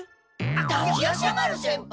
滝夜叉丸先輩？